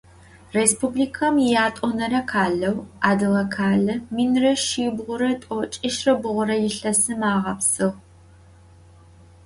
Rêspublikem yiyat'onere khaleu Adıgekhale minre şsibğure t'oç'işre bğure yilhesım ağepsığ.